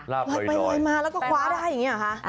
ลอยไปลอยมาแล้วก็คว้าได้อย่างนี้หรอคะ